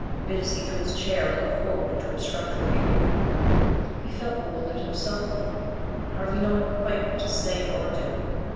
Bittacy drew his chair a little forward to obstruct her view of him. He felt bewildered himself, a little, hardly knowing quite what to say or do.